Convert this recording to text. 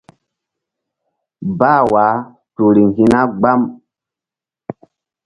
Bah wah tu riŋ hi̧na gbam.